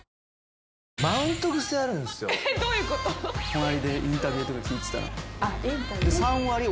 隣でインタビューとか聞いてたら。